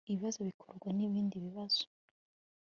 ibibazo bikurwa n'ibindi bibazo